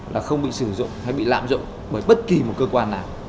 là không bị sử dụng hay bị lạm dụng bởi bất kỳ một cơ quan nào